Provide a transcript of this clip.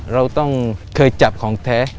เราต้องเคยจับของแท้